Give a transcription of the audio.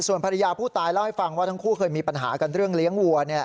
ส่วนภรรยาผู้ตายเล่าให้ฟังว่าทั้งคู่เคยมีปัญหากันเรื่องเลี้ยงวัว